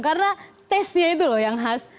karena tesnya itu loh yang khas